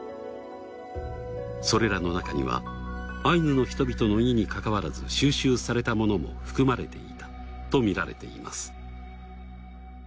それらのなかにはアイヌの人々の意にかかわらず収集されたものも含まれていたとみられています。